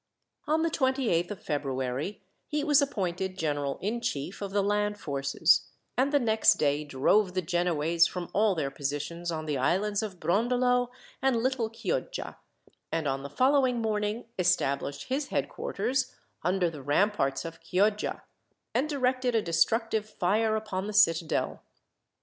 On the 28th of February, he was appointed general in chief of the land forces, and the next day drove the Genoese from all their positions on the islands of Brondolo and Little Chioggia, and on the following morning established his headquarters under the ramparts of Chioggia, and directed a destructive fire upon the citadel.